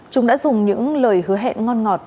chúng đã dùng những lời hứa hẹn ngon ngọt